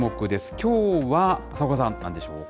きょうは、浅岡さん、なんでしょうか。